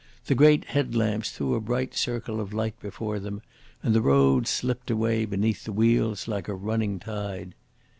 The great head lamps threw a bright circle of light before them and the road slipped away beneath the wheels like a running tide.